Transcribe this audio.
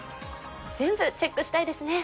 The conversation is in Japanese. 全部チェックしたいですね